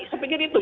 saya pikir itu